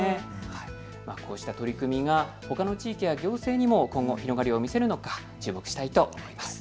こうした取り組みがほかの地域や行政にも今後、広がりを見せるのか注目したいと思います。